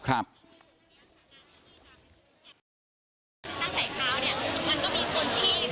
ค่ะมันก็มีคนที่เขาเข้าใจผิด